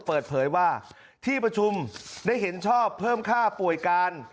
เปิดเผยว่าที่ประชุมได้เห็นชอบเพิ่มค่าป่วยการ